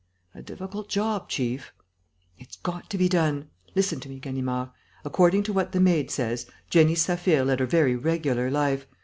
"A difficult job, chief." "It's got to be done. Listen to me, Ganimard. According to what the maid says, Jenny Saphir led a very regular life.